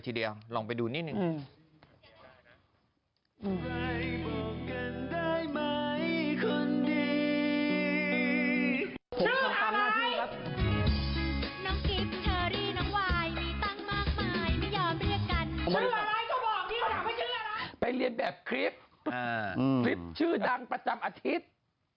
ไปเรียนแบบคลิปคลิปชื่อดังประจำอาทิตย์